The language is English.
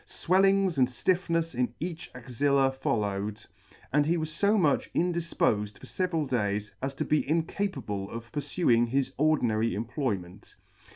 Swellings and ftiffnefs in each axilla followed, and he was fo much indifpofed for feveral days as to be incapable of purfuing his ordinary employment.